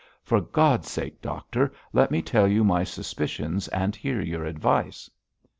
For God's sake, doctor, let me tell you my suspicions and hear your advice.'